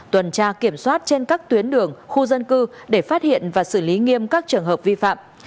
tuần tra kiểm soát trên các tuyến đường khu dân cư để phát hiện và xử lý nghiêm các trường hợp vi phạm